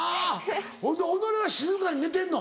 ほいで己は静かに寝てんの？